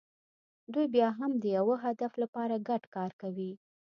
دوی بیا هم د یوه هدف لپاره ګډ کار کوي.